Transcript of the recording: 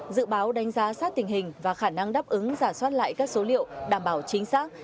dự báo đánh giá sát tình hình và khả năng đáp ứng giả soát lại các số liệu đảm bảo chính xác